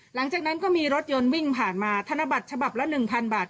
หลังจากนั้นก็มีรถยนต์วิ่งผ่านมาธนบัตรฉบับละ๑๐๐บาท